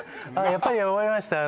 やっぱり思いました？